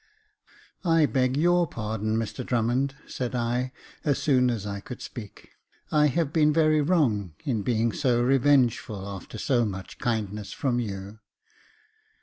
" I beg your pardon, Mr Drummond," said I, as soon as I could speak; "I have been very wrong in being so revengeful after so much kindness from you."